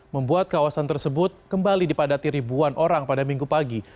membuat kawasan tersebut kembali dipadati ribuan orang pada minggu pagi